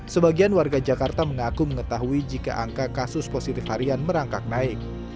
sebagian warga jakarta mengaku mengetahui jika angka kasus positif harian merangkak naik